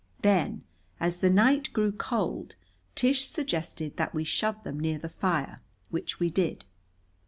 Then, as the night grew cold, Tish suggested that we shove them near the fire, which we did.